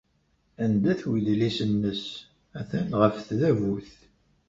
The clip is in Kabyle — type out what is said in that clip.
Anda-t wedlis-nnes? Atan ɣef tdabut.